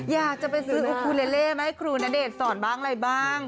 อยากจะไปซื้ออุคูเลเล่มาให้ครูณเดชน์สอนบ้างอะไรบ้าง